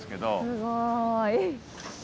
すごーい。